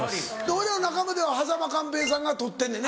俺らの仲間では間寛平さんが取ってんねんね